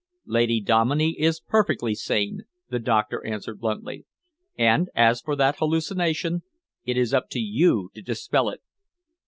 "Lady Dominey is perfectly sane," the doctor answered bluntly, "and as for that hallucination, it is up to you to dispel it."